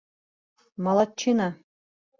Молодчина!